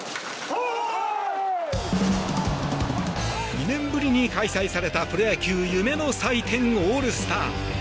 ２年ぶりに開催されたプロ野球、夢の祭典オールスター。